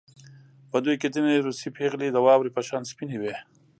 په دوی کې ځینې روسۍ پېغلې د واورې په شان سپینې وې